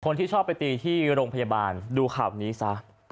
ชอบไปตีที่โรงพยาบาลดูข่าวนี้ซะ